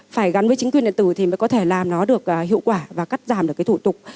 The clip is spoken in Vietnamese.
phải gắn với chính quyền điện tử thì mới có thể làm nó được hiệu quả và cắt giảm được cái thủ tục